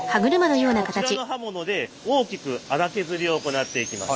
こちらの刃物で大きく荒削りを行っていきます。